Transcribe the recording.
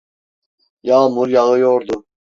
Yağmur yağıyordu.